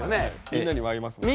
みんなにも会いますもんね。